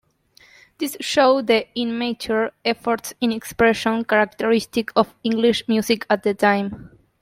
These show the immature efforts in expression characteristic of English music at the time.